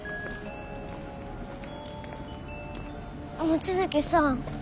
望月さん。